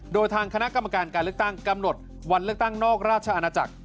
โดยทางคณะกรรมการการเลือกตั้งกำหนดวันเลือกตั้งนอกราชอาณาจักร